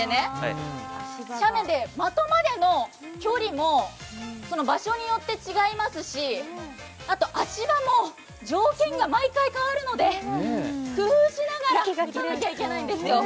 斜面で、的までの距離も場所によって違いますしあと、足場も条件が毎回変わるので工夫しながら撃たなきゃいけないんですよ。